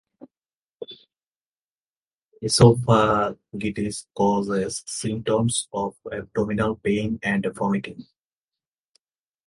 Esophagitis causes symptoms of abdominal pain and vomiting.